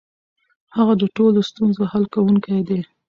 هغه د ټولو ستونزو حل کونکی دی.